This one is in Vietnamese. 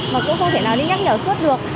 mà cô không thể nào đi nhắc nhở suốt được